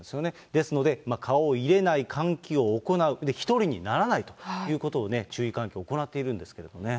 ですので、顔を入れない、換気を行う、１人にならないということをね、注意喚起を行っているんですけれどもね。